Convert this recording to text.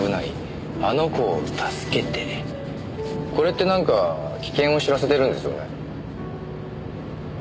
これってなんか危険を知らせてるんですよね？